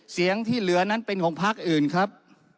เสียงที่เหลือนั้นเป็นของพักอื่นครับ